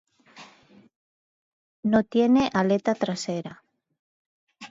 No tiene aleta trasera.